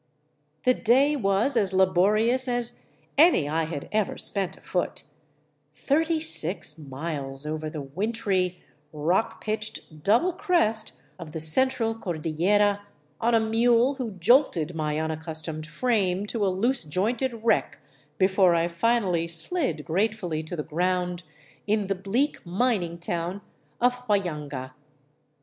The day was as laborious as any I had ever spent afoot, — thirty six miles over the wintry, rock pitched double crest of the Central Cordillera on a mule who jolted my unac customed frame to a loose jointed wreck before I finally slid grate fully to the ground in the bleak mining town of Huallanga.